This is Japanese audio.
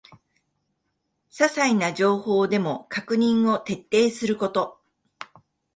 ささいな情報でも確認を徹底すること